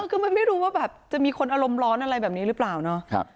คือมันไม่รู้ว่าแบบจะมีคนอารมณ์ร้อนอะไรแบบนี้หรือเปล่าเนาะ